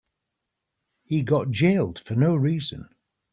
He got jailed for no reason.